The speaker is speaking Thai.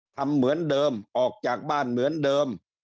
ทำเหมือนเดิมออกจากบ้านเหมือนเดิม